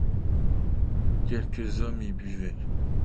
Quelques hommes y buvaient.